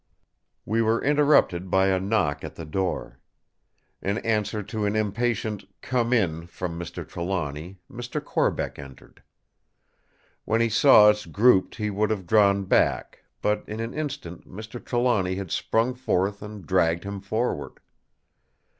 We were interrupted by a knock at the door. In answer to an impatient "Come in!" from Mr. Trelawny, Mr. Corbeck entered. When he saw us grouped he would have drawn back; but in an instant Mr. Trelawny had sprung forth and dragged him forward.